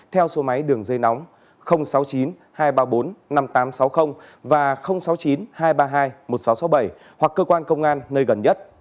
theo số máy đường dây nóng sáu mươi chín hai trăm ba mươi bốn năm nghìn tám trăm sáu mươi và sáu mươi chín hai trăm ba mươi hai một nghìn sáu trăm sáu mươi bảy hoặc cơ quan công an nơi gần nhất